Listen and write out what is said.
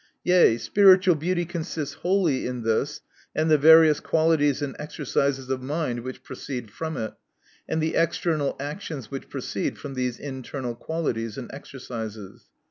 Yea, spiritual beauty consists wholly in this, and the various qualities and exercises of mind which proceed from it, and the external actions which proceed from these internal qualities and exercises.